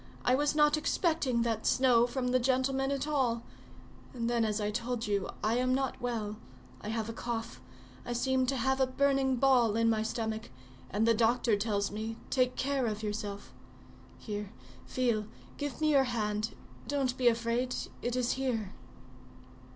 I was not expecting that snow from the gentleman at all; and then as I told you, I am not well; I have a cough; I seem to have a burning ball in my stomach, and the doctor tells me, 'Take care of yourself.' Here, feel, give me your hand; don't be afraid—it is here."